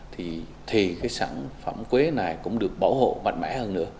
thì sản phẩm quế này cũng được bảo hộ mạnh mẽ hơn